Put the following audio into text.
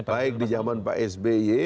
baik di zaman pak sby